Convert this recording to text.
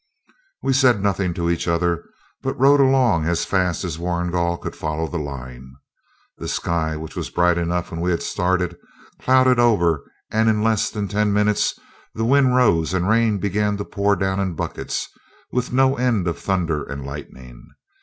We said nothing to each other, but rode along as fast as Warrigal could follow the line. The sky, which was bright enough when we started, clouded over, and in less than ten minutes the wind rose and rain began to pour down in buckets, with no end of thunder and lightning.